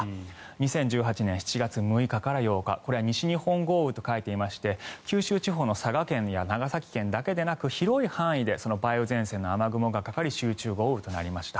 ２０１８年７月６日から８日これは西日本豪雨と書いていまして九州地方の佐賀県や長崎県だけではなく広い範囲で梅雨前線の雨雲がかかり集中豪雨となりました。